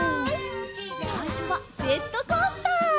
さいしょはジェットコースター。